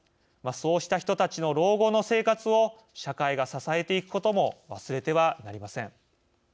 そうした人たちの老後の生活を社会が支えていくことも忘れてはなりません。